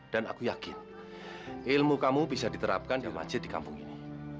dan aku yakin ilmu kamu bisa diterapkan di masjid di kampung ini